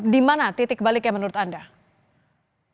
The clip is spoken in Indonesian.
di mana titik baliknya menurut anda